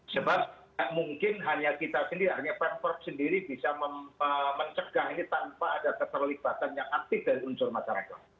sebab mungkin hanya kita sendiri hanya pemprov sendiri bisa mencegah ini tanpa ada keterlibatan yang aktif dari unsur masyarakat